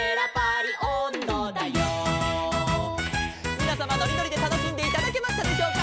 「みなさまのりのりでたのしんでいただけましたでしょうか」